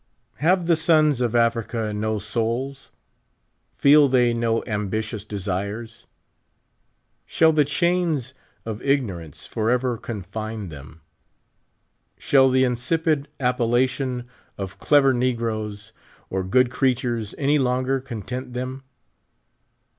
Have the sons of Africa no souls? Feel thej'^ no ambitious desires? Shall the chains of ig norance forever confine them ? Shall the insipid appella tion of "clever negroes*' or "good creatures" any longer content them